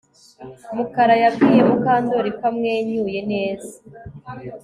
Mukara yabwiye Mukandoli ko amwenyuye neza